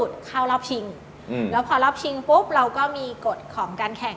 เข้ารอบชิงอืมแล้วพอรอบชิงปุ๊บเราก็มีกฎของการแข่ง